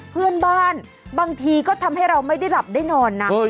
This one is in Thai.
เพื่อนบ้านบางทีก็ทำให้เราไม่ได้หลับได้นอนนะ